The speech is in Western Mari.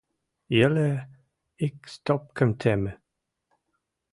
Йӹле ик стопкам темӹ!